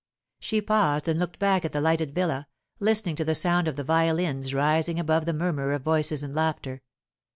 She paused and looked back at the lighted villa, listening to the sound of the violins rising above the murmur of voices and laughter.